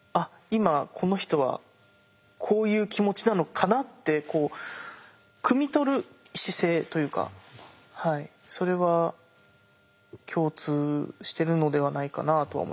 今この人はこういう気持ちなのかなってくみ取る姿勢というかそれは共通しているのではないかなとは思いますけどね。